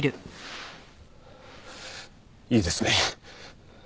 いいですね？